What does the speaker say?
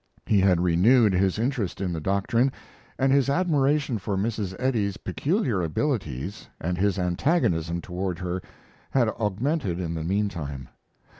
He had renewed his interest in the doctrine, and his admiration for Mrs. Eddy's peculiar abilities and his antagonism toward her had augmented in the mean time.